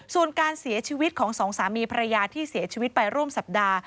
ส่วนการเสียชีวิตของสองสามีภรรยาที่เสียชีวิตไปร่วมสัปดาห์